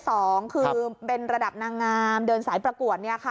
ก็คือเป็นระดับนางงามเดินสายประกวด